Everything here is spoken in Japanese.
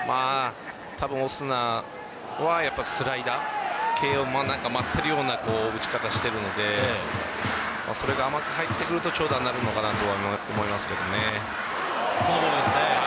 たぶんオスナはスライダー系を待っているような打ち方をしているのでそれが甘く入ってくると長打になるのかなとはこのボールですね。